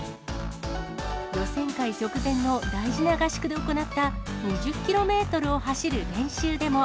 予選会直前の大事な合宿で行った２０キロメートルを走る練習でも。